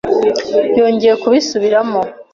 Yongeye kubisubiramo.